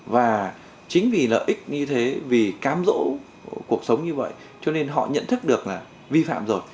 và chính vì lợi ích như thế vì cám rỗ cuộc sống như vậy cho nên họ nhận thức được là vi phạm rồi